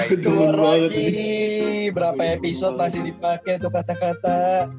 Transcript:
keluar lagi nih berapa episode masih dipake tuh kata kata